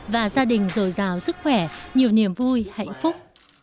và gia đình rồi rào sức khỏe nhiều niềm vui hạnh phúc